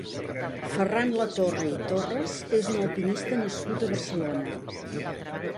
Ferran Latorre i Torres és un alpinista nascut a Barcelona.